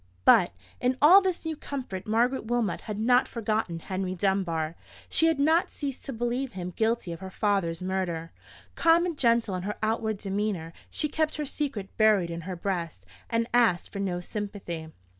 But in all this new comfort Margaret Wilmot had not forgotten Henry Dunbar. She had not ceased to believe him guilty of her father's murder. Calm and gentle in her outward demeanour, she kept her secret buried in her breast, and asked for no sympathy.